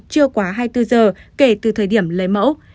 chưa quá hai mươi bốn giờ kể từ thời điểm lấy mẫu